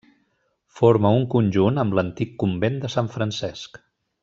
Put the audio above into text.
Forma un conjunt amb l'antic Convent de Sant Francesc.